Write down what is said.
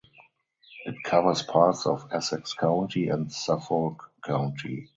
It covers parts of Essex County and Suffolk County.